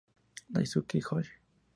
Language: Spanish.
Daisuke Hoshi